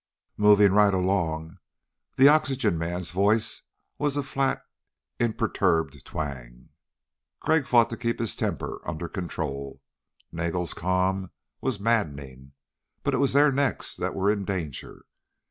"Moving right along." The oxygen man's voice was a flat imperturbed twang. Crag fought to keep his temper under control. Nagel's calm was maddening. But it was their necks that were in danger.